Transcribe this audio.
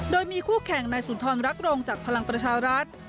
โดยมีคู่แข่งนายสุนทรรักโรงจากพลังประชารัฐ